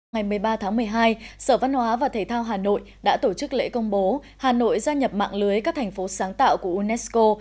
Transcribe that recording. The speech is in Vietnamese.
ngày một mươi ba tháng một mươi hai sở văn hóa và thể thao hà nội đã tổ chức lễ công bố hà nội gia nhập mạng lưới các thành phố sáng tạo của unesco